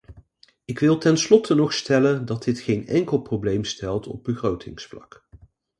Ik wil tenslotte nog stellen dat dit geen enkel probleem stelt op begrotingsvlak.